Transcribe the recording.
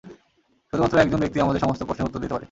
শুধুমাত্র একজন ব্যক্তিই আমাদের সমস্ত প্রশ্নের উত্তর দিতে পারে।